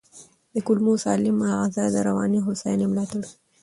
د کولمو سالمه غذا د رواني هوساینې ملاتړ کوي.